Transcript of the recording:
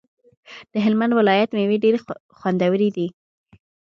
د هلمند ولایت ميوی ډيری خوندوری دی